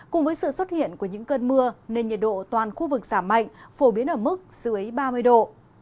cùng với sự xuất hiện của những cơn mưa nên nhiệt độ toàn khu vực giảm mạnh phổ biến ở mức dưới ba mươi độ